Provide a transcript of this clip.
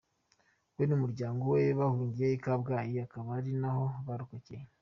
We n’umuryango we bahungiye I Kabgayi akaba ari naho barokokeye.